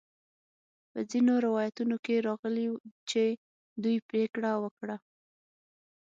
په ځینو روایتونو کې راغلي چې دوی پریکړه وکړه.